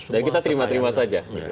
dan kita terima terima saja